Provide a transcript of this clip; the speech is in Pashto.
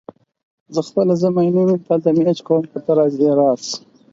زه ښار ته ځم په هوټل کي به مي کالي بدل کړم.